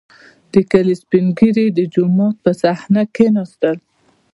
• د کلي سپین ږیري د جومات په صحنه کښېناستل.